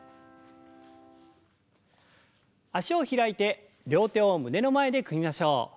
脚を開いて両手を胸の前で組みましょう。